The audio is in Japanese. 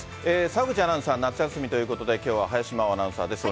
澤口アナウンサーは夏休みということで、きょうは林マオアナウンサーです。